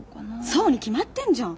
そうに決まってんじゃん。